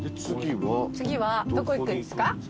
次はどこ行くんですか？